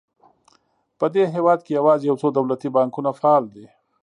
په دې هېواد کې یوازې یو څو دولتي بانکونه فعال دي.